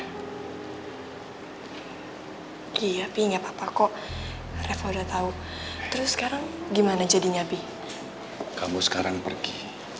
hai iya tapi nggak papa kok refah udah tahu terus sekarang gimana jadinya b kamu sekarang pergi